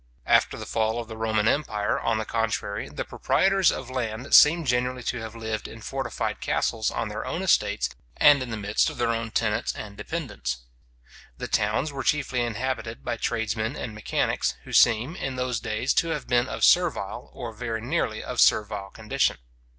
After the fall of the Roman empire, on the contrary, the proprietors of land seem generally to have lived in fortified castles on their own estates, and in the midst of their own tenants and dependants. The towns were chiefly inhabited by tradesmen and mechanics, who seem, in those days, to have been of servile, or very nearly of servile condition.